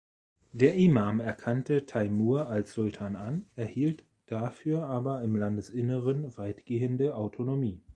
Der Imam erkannte Taimur als Sultan an, erhielt dafür aber im Landesinneren weitgehende Autonomie.